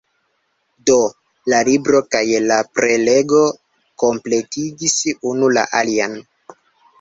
Do, la libro kaj la prelego kompletigis unu la alian.